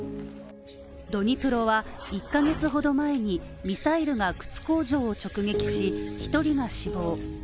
ドニプロは１カ月ほど前にミサイルが靴工場を直撃し、１人が死亡。